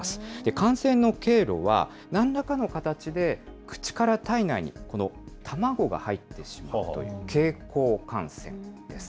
感染の経路はなんらかの形で口から体内に、この卵が入ってしまうという、経口感染です。